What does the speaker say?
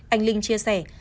anh linh chia sẻ